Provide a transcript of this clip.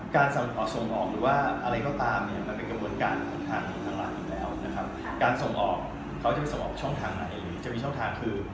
การส่งออกเขาจะไปส่งออกช่องทางไหน